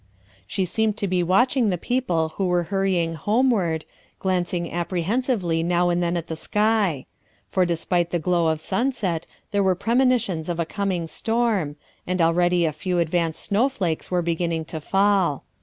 She seemed to be watching the people who were hurrying homeward, glancing appre hensively now and then at the sky; for despite the glow of sunset there were premonitions of a coming storm, and already a few advance snowflakes were beginning to fall.